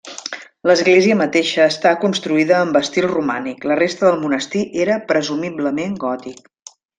L'església mateixa està construïda amb estil romànic; la resta del monestir era presumiblement gòtic.